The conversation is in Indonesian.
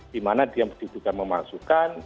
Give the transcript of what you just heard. dimana dia juga memalsukan